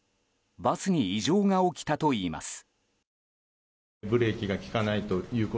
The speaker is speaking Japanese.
バスに異常が起きたといいます。